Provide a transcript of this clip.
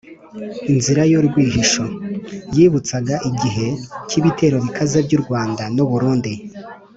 inzira y’urwihisho: yibutsaga igihe k’ibitero bikaze by’u rwanda n’u burundi